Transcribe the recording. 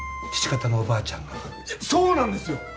父方のおばあちゃんがそうなんですよ！